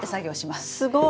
すごい。